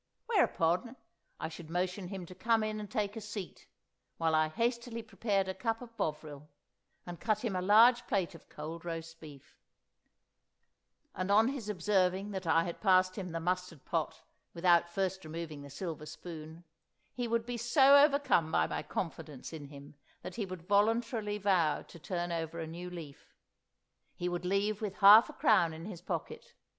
Whereupon, I should motion him to come in and take a seat, while I hastily prepared a cup of Bovril, and cut him a large plate of cold roast beef; and on his observing that I had passed him the mustard pot without first removing the silver spoon, he would be so overcome by my confidence in him that he would voluntarily vow to turn over a new leaf. He would leave with half a crown in his pocket.